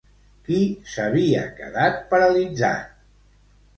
Qui s'havia quedat paralitzat?